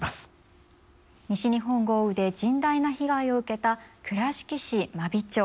西日本豪雨で甚大な被害を受けた倉敷市真備町。